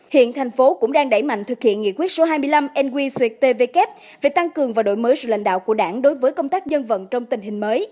hiện thành phố cũng đang đẩy mạnh thực hiện nghị quyết số hai mươi năm nqtvk về tăng cường và đổi mới sự lãnh đạo của đảng đối với công tác dân vận trong tình hình mới